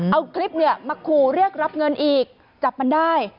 เอาคลิปเนี่ยมาขู่เรียกรับเงินอีกจับมันได้